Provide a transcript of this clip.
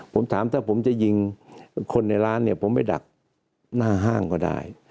ผมถามถ้าผมจะยิงคนในร้านเนี่ยผมไปดักหน้าห้างก็ได้